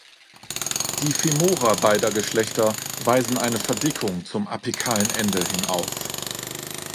Die Femora beider Geschlechter weisen eine Verdickung zum apikalen Ende hin auf.